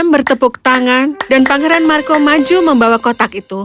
bertepuk tangan dan pangeran marco maju membawa kotak itu